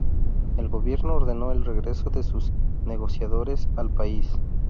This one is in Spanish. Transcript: El Gobierno ordenó el regreso de sus negociadores al país.